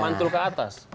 mantul ke atas